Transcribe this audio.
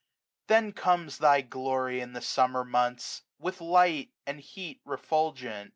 Then comes thy glory in the Summer months, With light and heat refulgent.